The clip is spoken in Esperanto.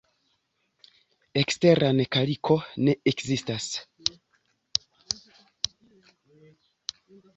Eksteran kaliko ne ekzistas.